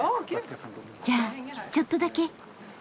じゃあちょっとだけ。